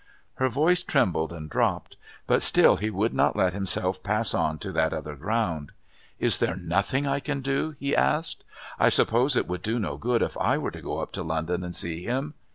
Her voice trembled and dropped. But still he would not let himself pass on to that other ground. "Is there nothing I can do?" he asked. "I suppose it would do no good if I were to go up to London and see him?